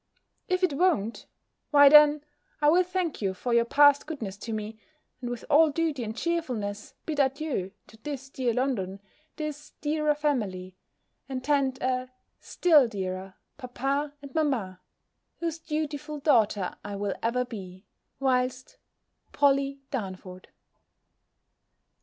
If it won't, why then, I will thank you for your past goodness to me, and with all duty and cheerfulness, bid adieu to this dear London, this dearer family, and tend a still dearer papa and mamma; whose dutiful daughter I will ever be, whilst POLLY DARNFORD.